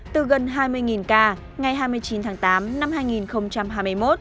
từ gần hai mươi ca ngày hai mươi chín tháng tám năm hai nghìn hai mươi một